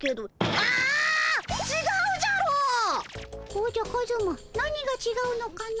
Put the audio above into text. おじゃカズマなにがちがうのかの？